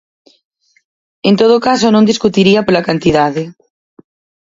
En todo caso non discutiría pola cantidade.